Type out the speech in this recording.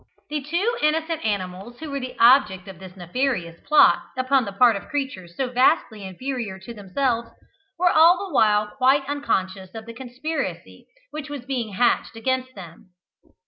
The two innocent animals who were the object of this nefarious plot upon the part of creatures so vastly inferior to themselves, were all the while quite unconscious of the conspiracy which was being hatched against them.